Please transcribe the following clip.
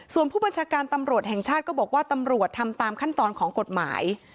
ส่วนผู้บัญชาการตำรวจแห่งชาติก็บอกว่าตำรวจทำตามขั้นตอนของกฎหมาย